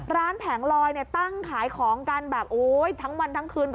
ร้านแผงลอยตั้งขายของกันแบบทั้งวันทั้งคืน